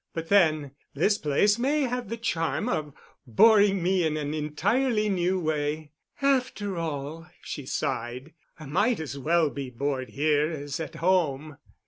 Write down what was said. But, then, this place may have the charm of boring me in an entirely new way. After all," she sighed, "I might as well be bored here as at home."